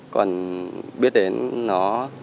còn biết đến nó